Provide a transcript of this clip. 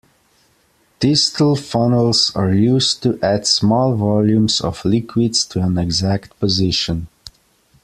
Thistle funnels are used to add small volumes of liquids to an exact position.